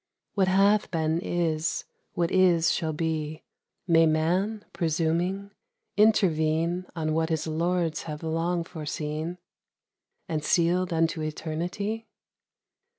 What hath been, is. What is, shall be. May Man, presuming, intervene On what his Lords have long foreseen And sealed unto eternity